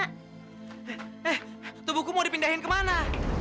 eh tubuhku mau dipindahin kemana